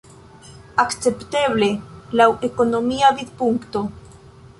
Akcepteble, laŭ ekonomia vidpunkto.